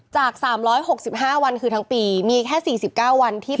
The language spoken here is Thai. จาก๓๖๕วันคือทั้งปีมีแค่๔๙วันที่เป็นสีเขียว